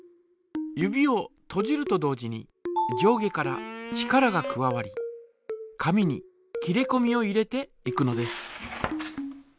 指をとじると同時に上下から力が加わり紙に切りこみを入れていくのです。